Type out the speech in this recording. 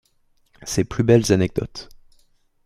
Ses plus belles anecdotes.